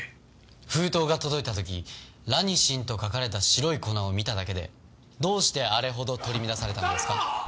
封筒が届いた時「ラニシン」と書かれた白い粉を見ただけでどうしてあれほど取り乱されたんですか？